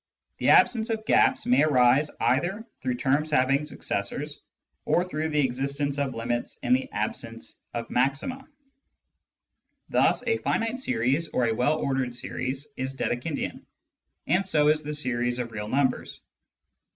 The absence of gaps may arise either through terms having successors, or through the existence of limits in the absence of maxima. Thus a finite series or a well ordered series is Dedekindian, and so is the series of real numbers.